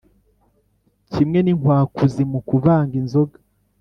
kimwe n’inkwakuzi mu kuvanga inzoga,